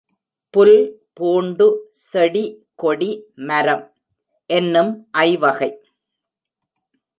புல் பூண்டு செடி கொடி மரம் என்னும் ஐவகை